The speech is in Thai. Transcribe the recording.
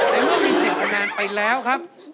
แต่ว่ามีเสียงนานไปแล้วครับ